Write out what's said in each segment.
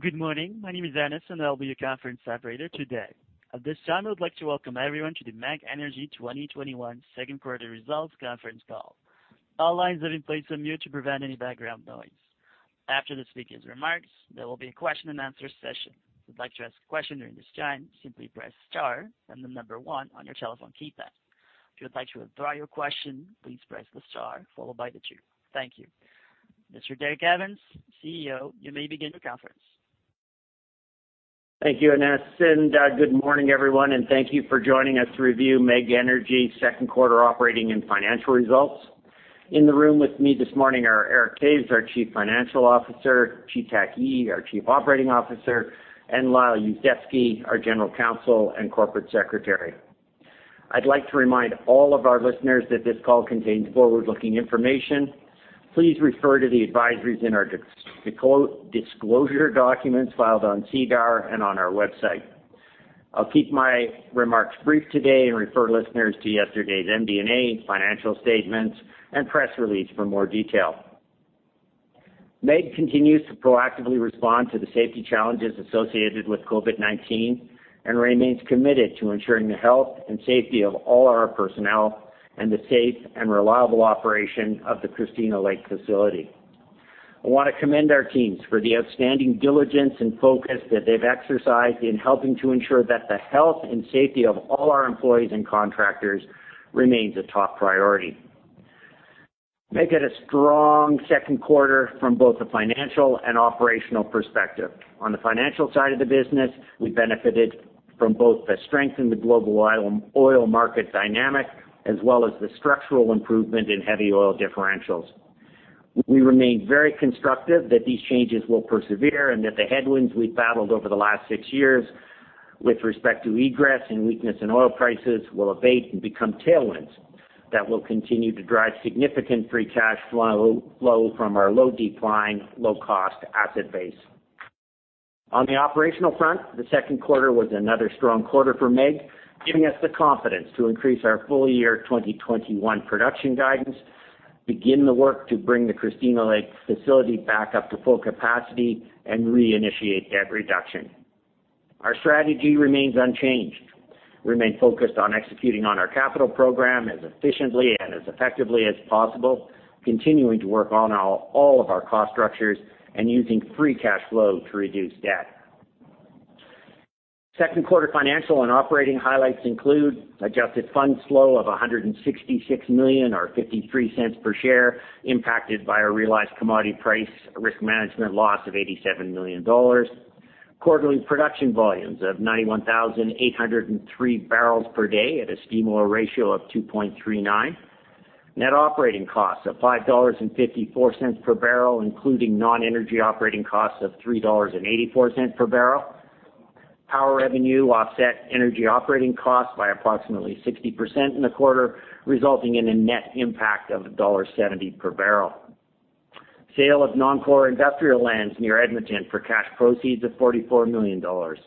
Good morning. My name is Anis, and I'll be your conference operator today. At this time, I would like to welcome everyone to the MEG Energy 2021 second quarter results conference call. All lines have been placed on mute to prevent any background noise. After the speaker's remarks, there will be a question and answer session. If you'd like to ask a question during this time, simply press star and the number one on your telephone keypad. If you would like to withdraw your question, please press the star followed by the two. Thank you. Mr. Derek Evans, CEO, you may begin the conference. Thank you, Anis, and good morning, everyone, and thank you for joining us to review MEG Energy's second quarter operating and financial results. In the room with me this morning are Eric Toews, our Chief Financial Officer, Chi-Tak Yee, our Chief Operating Officer, and Lyle Yuzdepski, our General Counsel and Corporate Secretary. I'd like to remind all of our listeners that this call contains forward-looking information. Please refer to the advisories in our disclosure documents filed on SEDAR and on our website. I'll keep my remarks brief today and refer listeners to yesterday's MD&A, financial statements, and press release for more detail. MEG continues to proactively respond to the safety challenges associated with COVID-19 and remains committed to ensuring the health and safety of all our personnel and the safe and reliable operation of the Christina Lake facility. I want to commend our teams for the outstanding diligence and focus that they've exercised in helping to ensure that the health and safety of all our employees and contractors remains a top priority. MEG had a strong second quarter from both a financial and operational perspective. On the financial side of the business, we benefited from both the strength in the global oil market dynamic, as well as the structural improvement in heavy oil differentials. We remain very constructive that these changes will persevere and that the headwinds we battled over the last six years, with respect to egress and weakness in oil prices, will abate and become tailwinds that will continue to drive significant free cash flow from our low decline, low-cost asset base. On the operational front, the second quarter was another strong quarter for MEG, giving us the confidence to increase our full year 2021 production guidance, begin the work to bring the Christina Lake facility back up to full capacity, and reinitiate debt reduction. Our strategy remains unchanged. We remain focused on executing on our capital program as efficiently and as effectively as possible, continuing to work on all of our cost structures and using free cash flow to reduce debt. Second quarter financial and operating highlights include adjusted funds flow of 166 million, or 0.53 per share, impacted by a realized commodity price risk management loss of 87 million dollars. Quarterly production volumes of 91,803 bbl per day at a steam-oil ratio of 2.39. net operating costs of 5.54 dollars per bbl, including non-energy operating costs of 3.84 dollars per bbl. Power revenue offset energy operating costs by approximately 60% in the quarter, resulting in a net impact of CAD 1.70 per bbl. Sale of non-core industrial lands near Edmonton for cash proceeds of 44 million dollars.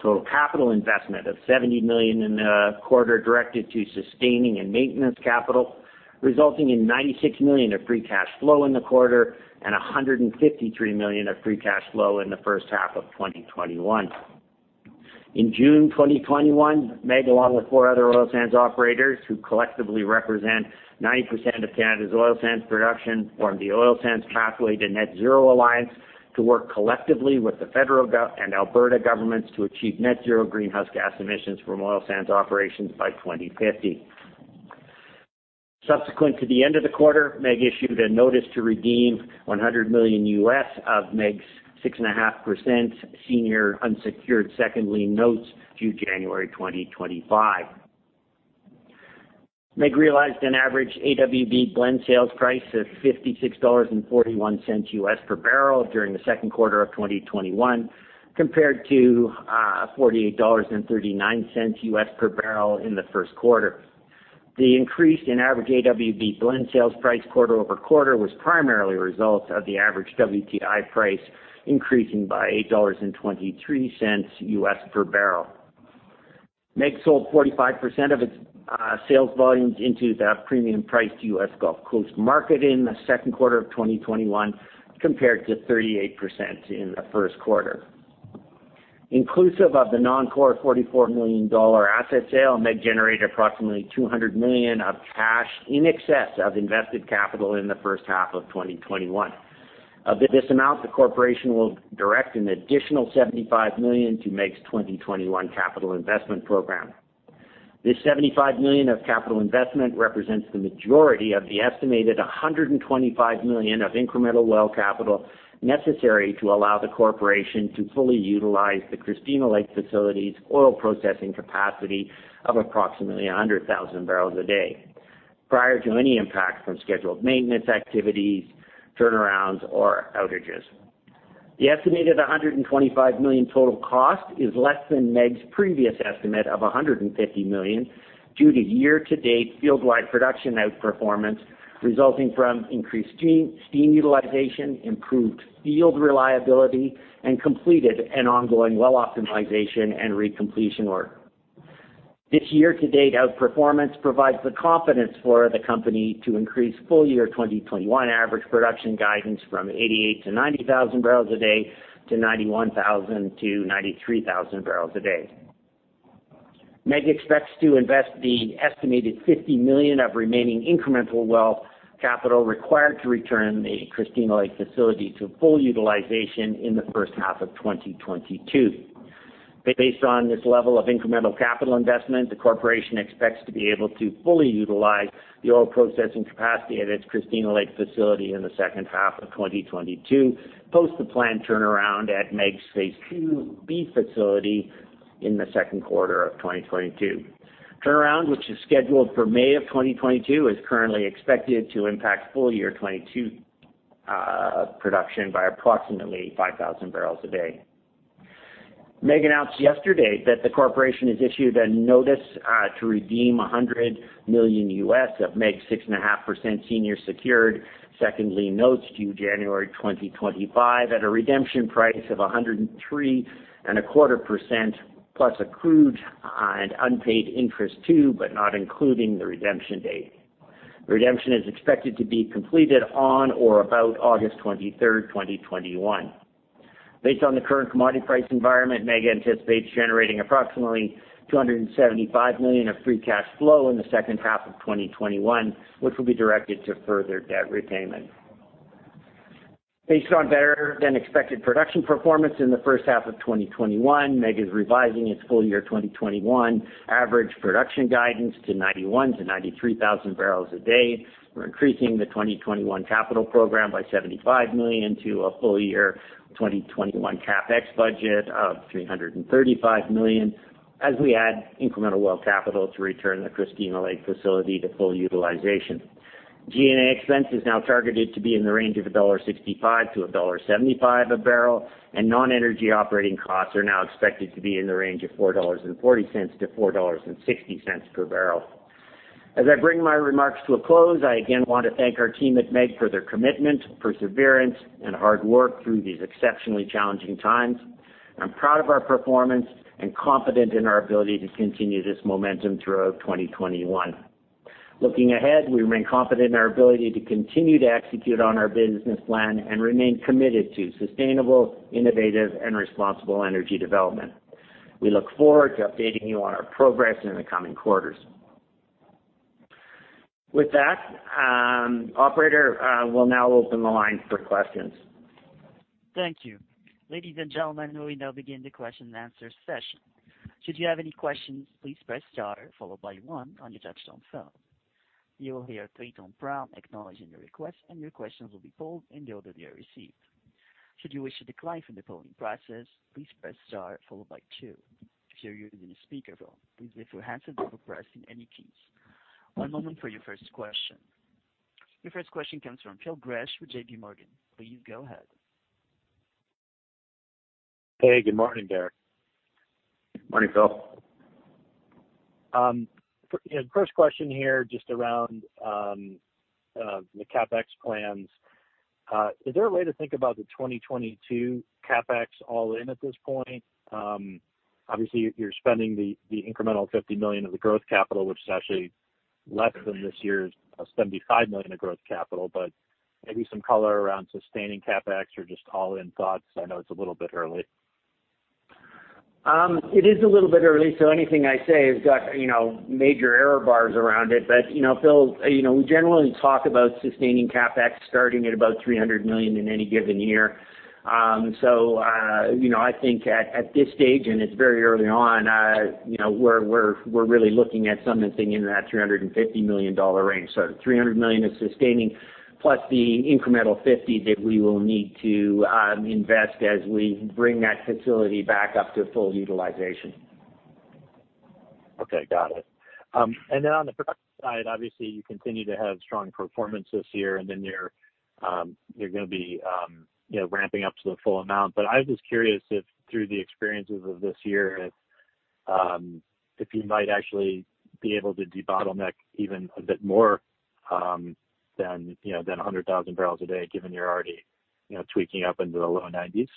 Total capital investment of 70 million in the quarter directed to sustaining and maintenance capital, resulting in 96 million of free cash flow in the quarter and 153 million of free cash flow in the first half of 2021. In June 2021, MEG, along with four other oil sands operators, who collectively represent 90% of Canada's oil sands production, formed the Oil Sands Pathways to Net Zero Alliance to work collectively with the federal and Alberta governments to achieve net zero greenhouse gas emissions from oil sands operations by 2050. Subsequent to the end of the quarter, MEG issued a notice to redeem $100 million U.S. of MEG's 6.5% senior unsecured second lien notes due January 2025. MEG realized an average AWB blend sales price of $56.41 U.S. per bbl during the second quarter of 2021, compared to $48.39 U.S. per bbl in the first quarter. The increase in average AWB blend sales price quarter-over-quarter was primarily a result of the average WTI price increasing by $8.23 U.S. per bbl MEG sold 45% of its sales volumes into the premium-priced U.S. Gulf Coast market in the second quarter of 2021 compared to 38% in the first quarter. Inclusive of the non-core 44 million dollar asset sale, MEG generated approximately 200 million of cash in excess of invested capital in the first half of 2021. Of this amount, the corporation will direct an additional 75 million to MEG's 2021 capital investment program. This 75 million of capital investment represents the majority of the estimated 125 million of incremental well capital necessary to allow the corporation to fully utilize the Christina Lake facility's oil processing capacity of approximately 100,000 bbl a day, prior to any impact from scheduled maintenance activities, turnarounds, or outages. The estimated 125 million total cost is less than MEG's previous estimate of 150 million due to year-to-date field-wide production outperformance resulting from increased steam utilization, improved field reliability, and completed and ongoing well optimization and recompletion work. This year-to-date outperformance provides the confidence for the company to increase full-year 2021 average production guidance from 88,000-90,000 bbl a day to 91,000-93,000 bbl a day. MEG expects to invest the estimated 50 million of remaining incremental well capital required to return the Christina Lake facility to full utilization in the first half of 2022. Based on this level of incremental capital investment, the corporation expects to be able to fully utilize the oil processing capacity at its Christina Lake facility in the second half of 2022, post the planned turnaround at MEG's Phase 2B facility in the second quarter of 2022. Turnaround, which is scheduled for May of 2022, is currently expected to impact full-year 2022 production by approximately 5,000 bbl a day. MEG announced yesterday that the corporation has issued a notice to redeem $100 million of MEG's 6.5% senior secured second lien notes due January 2025 at a redemption price of 103.25% plus accrued and unpaid interest to, but not including the redemption date. The redemption is expected to be completed on or about August 23rd, 2021. Based on the current commodity price environment, MEG anticipates generating approximately 275 million of free cash flow in the second half of 2021, which will be directed to further debt repayment. Based on better-than-expected production performance in the first half of 2021, MEG is revising its full-year 2021 average production guidance to 91,000-93,000 bbl a day. We're increasing the 2021 capital program by 75 million to a full-year 2021 CapEx budget of 335 million, as we add incremental well capital to return the Christina Lake facility to full utilization. G&A expense is now targeted to be in the range of CAD 1.65-CAD 1.75 a bbl, non-energy operating costs are now expected to be in the range of 4.40-4.60 dollars per bbl. As I bring my remarks to a close, I again want to thank our team at MEG for their commitment, perseverance, and hard work through these exceptionally challenging times. I'm proud of our performance and confident in our ability to continue this momentum throughout 2021. Looking ahead, we remain confident in our ability to continue to execute on our business plan and remain committed to sustainable, innovative, and responsible energy development. We look forward to updating you on our progress in the coming quarters. With that, operator, we'll now open the line for questions. Thank you. Ladies and gentlemen, we now begin the question and answer session. Should you have any questions, please press star followed by one on your touch-tone phone. You will hear a three-tone prompt acknowledging your request, and your questions will be polled in the order they are received. Should you wish to decline from the polling process, please press star followed by two. If you're using a speakerphone, please lift your handset before pressing any keys. One moment for your first question. Your first question comes from Phil Gresh with JPMorgan. Please go ahead. Hey, good morning, Derek. Morning, Phil. First question here, just around the CapEx plans. Is there a way to think about the 2022 CapEx all-in at this point? Obviously, you're spending the incremental 50 million of the growth capital, which is actually less than this year's 75 million of growth capital. Maybe some color around sustaining CapEx or just all-in thoughts. I know it's a little bit early. It is a little bit early, so anything I say has got major error bars around it. Phil, we generally talk about sustaining CapEx starting at about 300 million in any given year. I think at this stage, and it's very early on, we're really looking at something in that 350 million dollar range. 300 million is sustaining, plus the incremental 50 million that we will need to invest as we bring that facility back up to full utilization. Okay, got it. On the production side, obviously, you continue to have strong performance this year, and then you're going to be ramping up to the full amount. I was just curious if through the experiences of this year, if you might actually be able to debottleneck even a bit more than 100,000 bbl a day, given you're already tweaking up into the low 90s.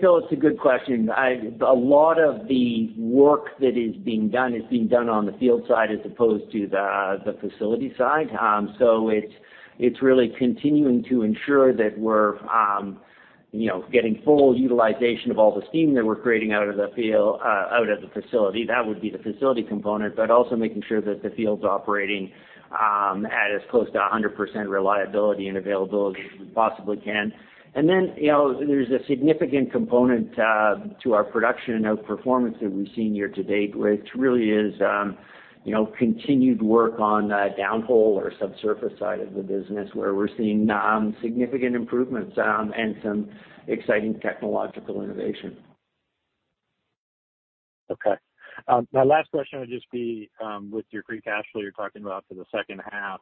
Phil, it's a good question. A lot of the work that is being done is being done on the field side as opposed to the facility side. It's really continuing to ensure that we're getting full utilization of all the steam that we're creating out of the facility. That would be the facility component, but also making sure that the field's operating at as close to 100% reliability and availability as we possibly can. There's a significant component to our production and outperformance that we've seen year-to-date, which really is continued work on the downhole or subsurface side of the business, where we're seeing significant improvements and some exciting technological innovation. Okay. My last question would just be with your free cash flow you're talking about for the second half.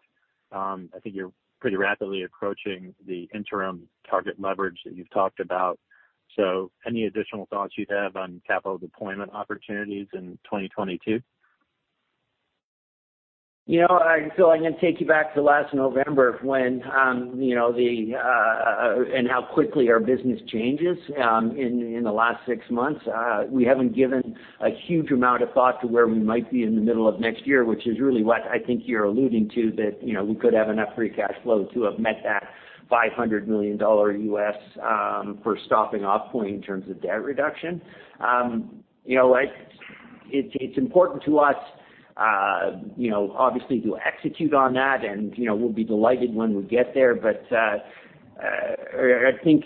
I think you're pretty rapidly approaching the interim target leverage that you've talked about. Any additional thoughts you have on capital deployment opportunities in 2022? Phil, I'm going to take you back to last November and how quickly our business changes in the last six months. We haven't given a huge amount of thought to where we might be in the middle of next year, which is really what I think you're alluding to, that we could have enough free cash flow to have met that $500 million U.S. for stopping off point in terms of debt reduction. It's important to us obviously to execute on that and we'll be delighted when we get there. I think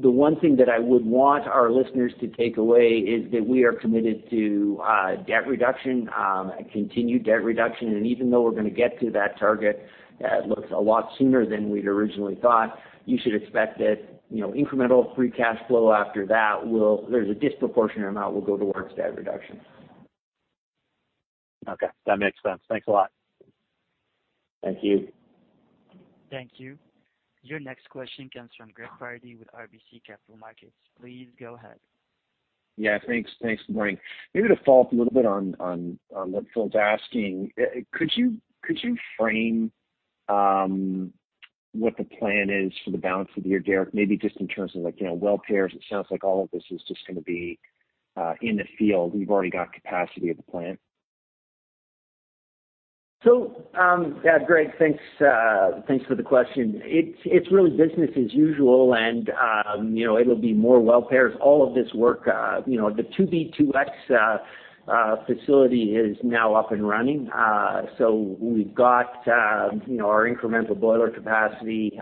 the one thing that I would want our listeners to take away is that we are committed to debt reduction, a continued debt reduction, and even though we're going to get to that target, that looks a lot sooner than we'd originally thought. You should expect that incremental free cash flow after that, there's a disproportionate amount will go towards debt reduction. Okay. That makes sense. Thanks a lot. Thank you. Thank you. Your next question comes from Greg Pardy with RBC Capital Markets. Please go ahead. Yeah, thanks. Thanks. Good morning. Maybe to follow up a little bit on what Phil's asking, could you frame what the plan is for the balance of the year, Derek? Maybe just in terms of well pairs. It sounds like all of this is just going to be in the field. You've already got capacity at the plant. Greg, thanks for the question. It is really business as usual, and it will be more well pairs. All of this work, the 2B2X facility is now up and running. So we have our incremental boiler capacity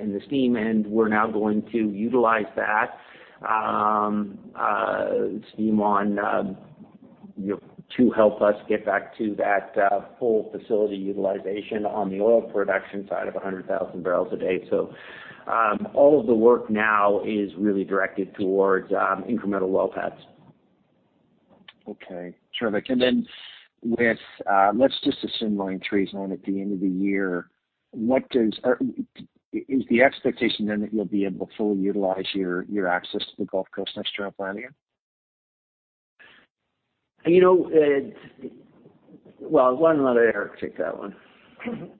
in the steam, and we are now going to utilize that steam to help us get back to that full facility utilization on the oil production side of 100,000 bbl a day. All of the work now is really directed towards incremental well pads. Okay, terrific. Then let's just assume Line 3 is on at the end of the year. Is the expectation then that you'll be able to fully utilize your access to the Gulf Coast next year on plan again? Well, why don't I let Eric take that one?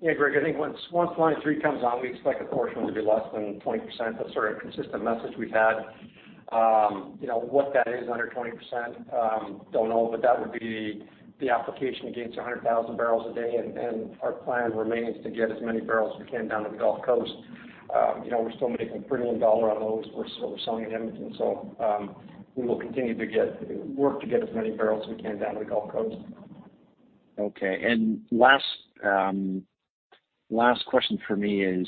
Yeah, Greg, I think once Line 3 comes on, we expect the portion will be less than 20%. That's sort of a consistent message we've had. What that is under 20%, don't know, but that would be the application against 100,000 bbl a day, and our plan remains to get as many barrels as we can down to the Gulf Coast. We're still making a premium dollar on those we're selling in Edmonton. We will continue to work to get as many barrels as we can down to the Gulf Coast. Okay. Last question for me is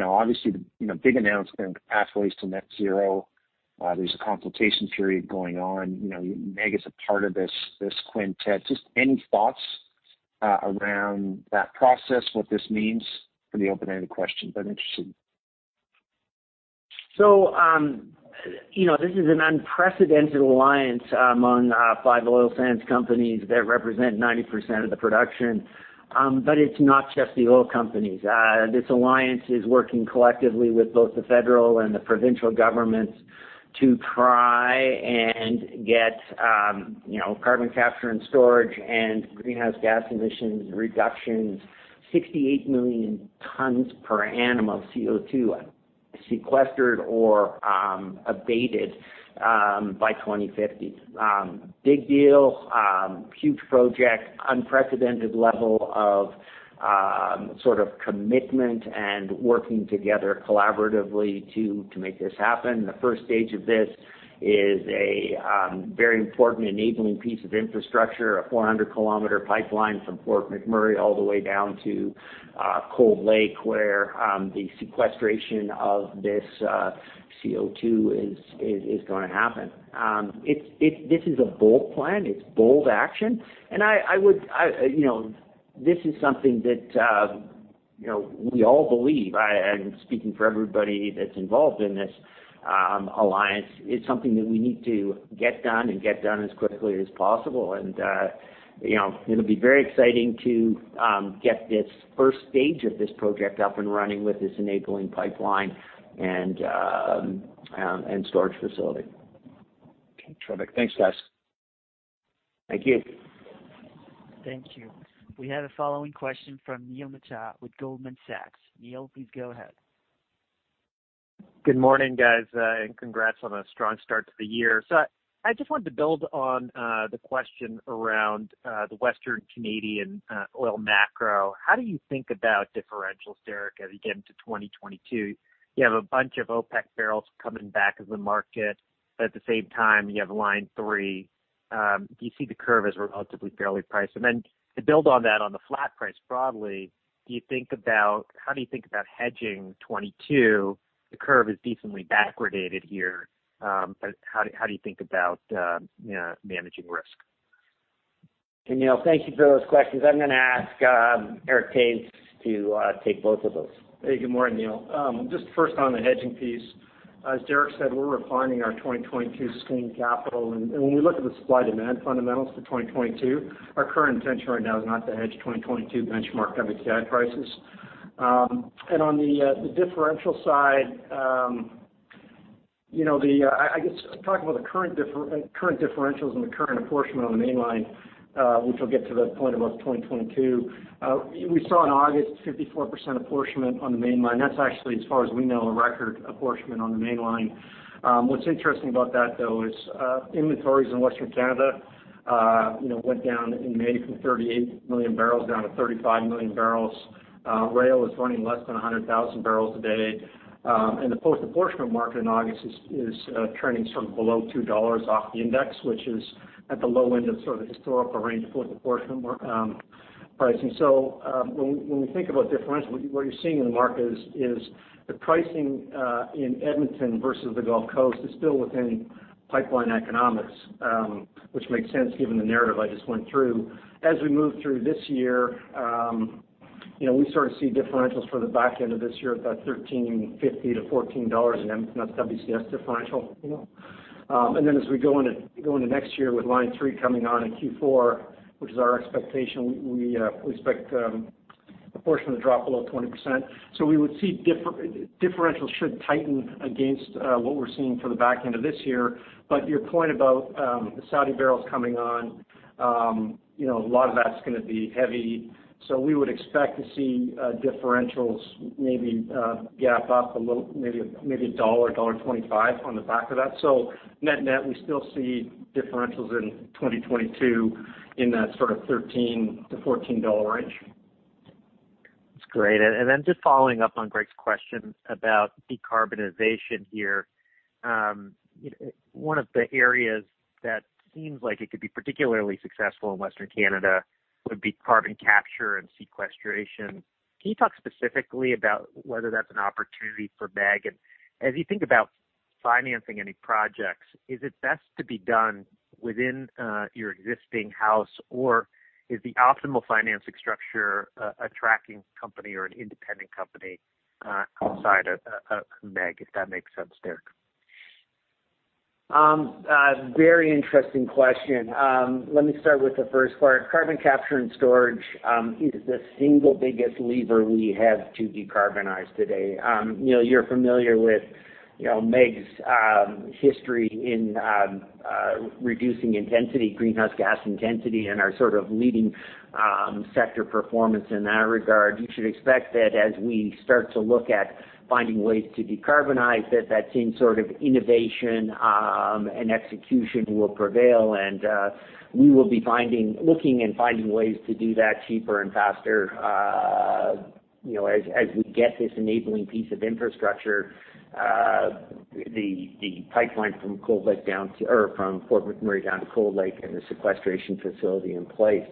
obviously the big announcement of Pathways to Net Zero. There's a consultation period going on. MEG is a part of this quintet. Just any thoughts around that process, what this means? Pretty open-ended question, I'm interested. This is an unprecedented alliance among five Oil Sands companies that represent 90% of the production. It's not just the oil companies. This alliance is working collectively with both the federal and the provincial governments to try and get carbon capture and storage and greenhouse gas emissions reductions, 68 million tons per annum of CO2 sequestered or abated by 2050. Big deal, huge project, unprecedented level of sort of commitment and working together collaboratively to make this happen. The first stage of this is a very important enabling piece of infrastructure, a 400-km pipeline from Fort McMurray all the way down to Cold Lake, where the sequestration of this CO2 is going to happen. This is a bold plan. It's bold action, and this is something that we all believe. I'm speaking for everybody that's involved in this alliance. It's something that we need to get done and get done as quickly as possible. It'll be very exciting to get this first stage of this project up and running with this enabling pipeline and storage facility. Okay, terrific. Thanks, guys. Thank you. Thank you. We have a following question from Neil Mehta with Goldman Sachs. Neil, please go ahead. Good morning, guys, and congrats on a strong start to the year. I just wanted to build on the question around the Western Canadian oil macro. How do you think about differentials, Derek, as you get into 2022? You have a bunch of OPEC barrels coming back in the market, but at the same time, you have Line 3. Do you see the curve as relatively fairly priced? To build on that, on the flat price broadly, how do you think about hedging 2022? The curve is decently backwardated here. How do you think about managing risk? Hey, Neil, thank you for those questions. I'm going to ask Eric Toews to take both of those. Good morning, Neil. First on the hedging piece, as Derek said, we're refining our 2022 sustain capital. When we look at the supply-demand fundamentals for 2022, our current intention right now is not to hedge 2022 benchmark WTI prices. On the differential side, I guess I'll talk about the current differentials and the current apportionment on the Mainline, which will get to the point about 2022. We saw in August 54% apportionment on the Mainline. That's actually, as far as we know, a record apportionment on the Mainline. What's interesting about that, though, is inventories in Western Canada went down in May from 38 million bbl down to 35 million bbl. Rail is running less than 100,000 bbl a day. The post-apportionment market in August is trending sort of below $2 off the index, which is at the low end of the historical range of post-apportionment pricing. When we think about differential, what you're seeing in the market is the pricing in Edmonton versus the Gulf Coast is still within pipeline economics, which makes sense given the narrative I just went through. As we move through this year, we sort of see differentials for the back end of this year at that $13.50-$14 an Edmonton less WCS differential. As we go into next year with Line 3 coming on in Q4, which is our expectation, we expect apportionment to drop below 20%. We would see differentials should tighten against what we're seeing for the back end of this year. Your point about the Saudi barrels coming on, a lot of that's going to be heavy. We would expect to see differentials maybe gap up a little, maybe a CAD 1, dollar 1.25 on the back of that. Net-net, we still see differentials in 2022 in that sort of 13-14 dollar range. That's great. Just following up on Greg's question about decarbonization here. One of the areas that seems like it could be particularly successful in Western Canada would be carbon capture and sequestration. Can you talk specifically about whether that's an opportunity for MEG? As you think about financing any projects, is it best to be done within your existing house, or is the optimal financing structure a tracking company or an independent company outside of MEG, if that makes sense, Derek? Very interesting question. Let me start with the first part. Carbon capture and storage is the single biggest lever we have to decarbonize today. You're familiar with MEG's history in reducing intensity, greenhouse gas intensity, and our sort of leading sector performance in that regard. You should expect that as we start to look at finding ways to decarbonize, that that same sort of innovation and execution will prevail and we will be looking and finding ways to do that cheaper and faster as we get this enabling piece of infrastructure, the pipeline from Fort McMurray down to Cold Lake and the sequestration facility in place.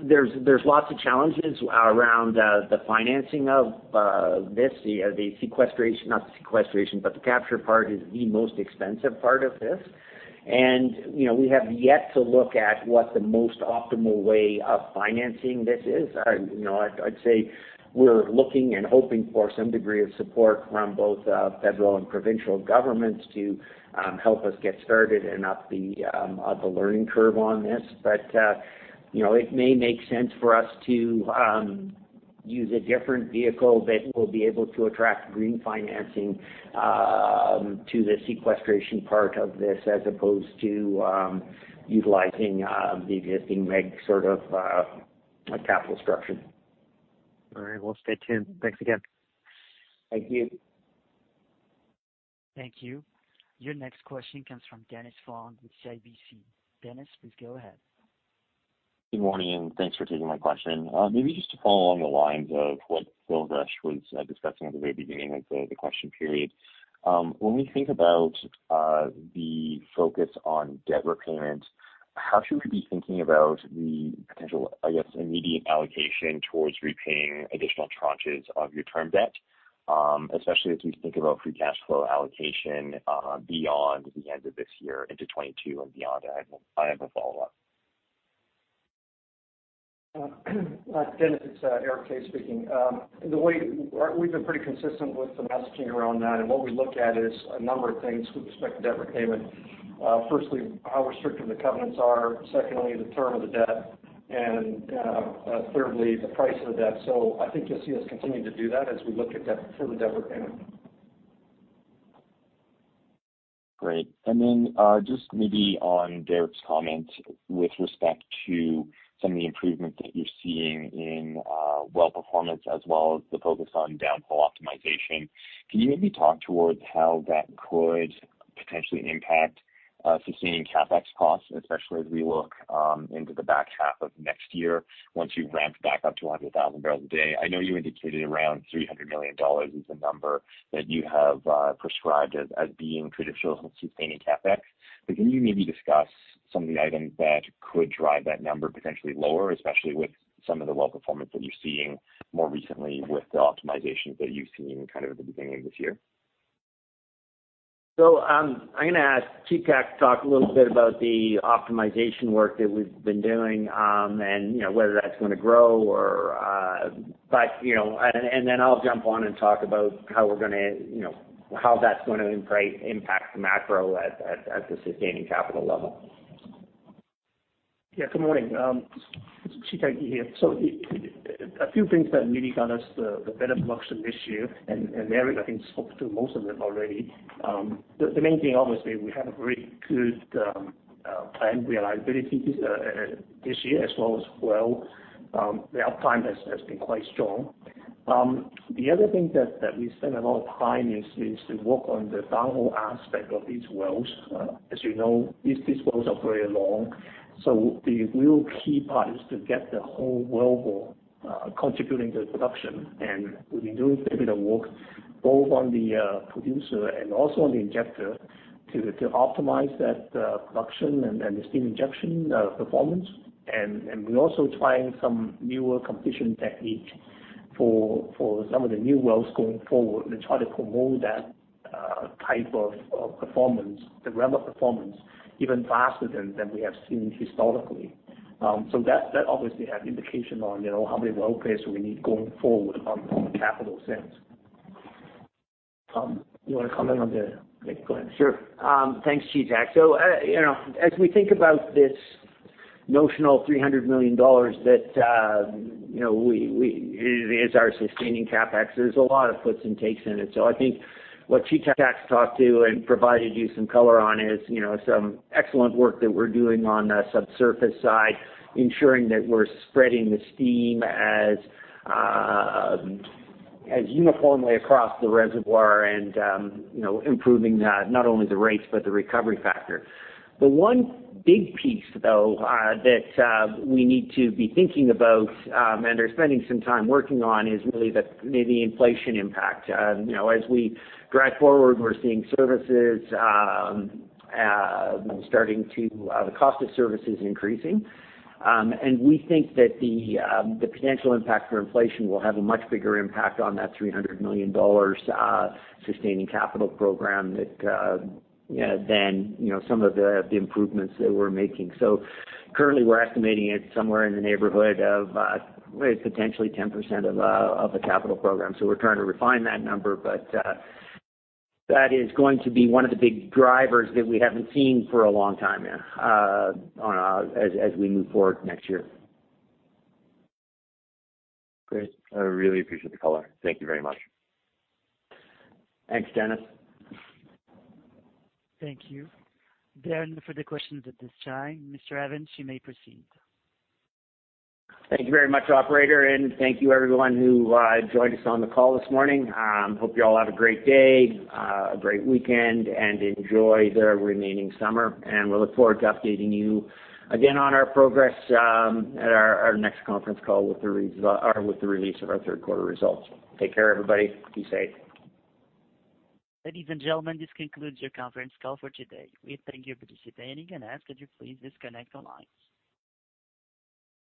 There's lots of challenges around the financing of this, the sequestration, not the sequestration, but the capture part is the most expensive part of this. We have yet to look at what the most optimal way of financing this is. I'd say we're looking and hoping for some degree of support from both federal and provincial governments to help us get started and up the learning curve on this. It may make sense for us to use a different vehicle that will be able to attract green financing to the sequestration part of this as opposed to utilizing the existing MEG sort of capital structure. All right, will stay tuned. Thanks again. Thank you. Thank you. Your next question comes from Dennis Fong with CIBC. Dennis, please go ahead. Good morning, and thanks for taking my question. Maybe just to follow along the lines of what Phil Gresh was discussing at the very beginning of the question period. When we think about the focus on debt repayment, how should we be thinking about the potential, I guess, immediate allocation towards repaying additional tranches of your term debt, especially as we think about free cash flow allocation beyond the end of this year into 2022 and beyond? I have a follow-up. Dennis, it's Eric Toews speaking. We've been pretty consistent with the messaging around that, and what we look at is a number of things with respect to debt repayment. Firstly, how restrictive the covenants are. Secondly, the term of the debt, and thirdly, the price of the debt. I think you'll see us continue to do that as we look at further debt repayment. Great. Then just maybe on Derek's comment with respect to some of the improvement that you're seeing in well performance as well as the focus on downhole optimization, can you maybe talk towards how that could potentially impact sustaining CapEx costs, especially as we look into the back half of next year once you've ramped back up to 100,000 bbl a day? I know you indicated around 300 million dollars is the number that you have prescribed as being traditional sustaining CapEx. Can you maybe discuss some of the items that could drive that number potentially lower, especially with some of the well performance that you're seeing more recently with the optimizations that you've seen kind of at the beginning of this year? I'm going to ask Chi-Tak to talk a little bit about the optimization work that we've been doing. I'll jump on and talk about how that's going to impact the macro at the sustaining capital level. Yeah, good morning. This is Chi-Tak Yee here. A few things that really got us the better production this year, and Eric Toews, I think spoke to most of them already. The main thing, obviously, we had a very good planned reliability this year as well. The uptime has been quite strong. The other thing that we spend a lot of time is to work on the downhole aspect of these wells. As you know, these wells are very long, so the real key part is to get the whole wellbore contributing to production. We've been doing a fair bit of work both on the producer and also on the injector to optimize that production and the steam injection performance. We're also trying some newer completion technique for some of the new wells going forward and try to promote that type of performance, the ramp-up performance, even faster than we have seen historically. That obviously has indication on how many well space we need going forward on the capital sense. Toews, you want to comment? Go ahead. Sure. Thanks, Chi-Tak Yee. As we think about this notional 300 million dollars that is our sustaining CapEx, there's a lot of puts and takes in it. I think what Chi-Tak Yee's talked to and provided you some color on is some excellent work that we're doing on the subsurface side, ensuring that we're spreading the steam as uniformly across the reservoir and improving not only the rates, but the recovery factor. The one big piece, though, that we need to be thinking about and are spending some time working on is really the inflation impact. As we drive forward, we're seeing the cost of services increasing. We think that the potential impact for inflation will have a much bigger impact on that 300 million dollars sustaining capital program than some of the improvements that we're making. Currently, we're estimating it somewhere in the neighborhood of potentially 10% of the capital program. We're trying to refine that number, but that is going to be one of the big drivers that we haven't seen for a long time now as we move forward next year. Great. I really appreciate the color. Thank you very much. Thanks, Dennis. Thank you. There are no further questions at this time. Mr. Evans, you may proceed. Thank you very much, operator, thank you everyone who joined us on the call this morning. Hope you all have a great day, a great weekend, and enjoy the remaining summer. We look forward to updating you again on our progress at our next conference call with the release of our third quarter results. Take care, everybody. Be safe. Ladies and gentlemen, this concludes your conference call for today. We thank you for participating and ask that you please disconnect the lines.